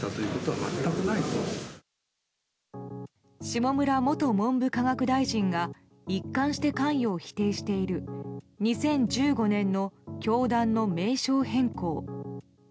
下村元文部科学大臣が一貫して関与を否定している２０１５年の教団の名称変更。